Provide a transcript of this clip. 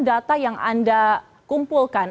data yang anda kumpulkan